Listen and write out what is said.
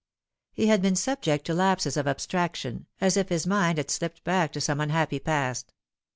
He had been subject to lapses of abstraction, as if his mind had slipped back to some unhappy past.